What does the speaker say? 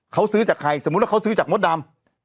เขาซื้อจากใครสมมุติว่าเขาซื้อจากมดดำ